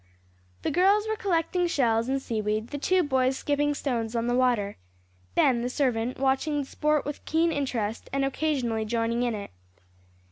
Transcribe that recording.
The girls were collecting shells and seaweed, the two boys skipping stones on the water, Ben, the servant, watching the sport with keen interest, and occasionally joining in it.